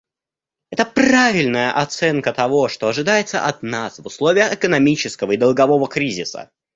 Это правильная оценка того, что ожидается от нас условиях экономического и долгового кризиса.